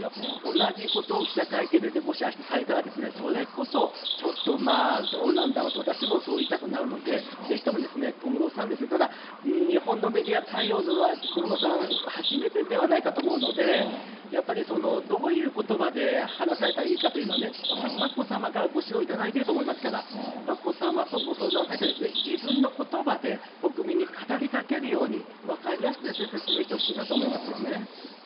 同じことをあした記者会見で、もしあしたされたらですね、それこそちょっとまあ、どうなんだろうと、私もそう言いたくなるので、ぜひともですね、小室さん、ただ、うーん、日本のメディア対応では、小室さん、初めてではないかと思うので、やっぱりどういうことばで話されたらいいかというのは、恐らく眞子さまからご指導いただいていると思いますから、眞子さまとご相談をされて、自分のことばで、国民に語りかけるように、分かりやすく説明してほしいなと思いますよね。